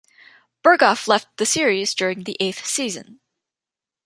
Burghoff left the series during the eighth season.